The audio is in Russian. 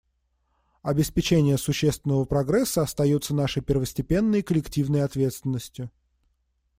Обеспечение существенного прогресса остается нашей первостепенной и коллективной ответственностью.